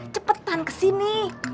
cepetan ke sini